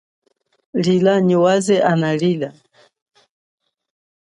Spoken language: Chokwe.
Lila nyi waze ana lila.